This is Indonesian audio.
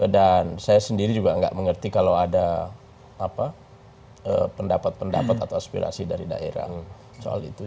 dan saya sendiri juga nggak mengerti kalau ada pendapat pendapat atau aspirasi dari daerah soal itu